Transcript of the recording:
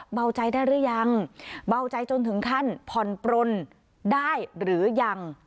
เบาใจได้หรือยังเบาใจจนถึงขั้นผ่อนปลนได้หรือยัง